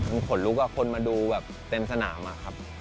มันขนลุกคนมาดูแบบเต็มสนามอะครับ